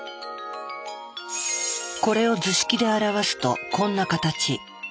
これを図式で表すとこんな形。